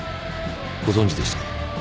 ご存じでしたか？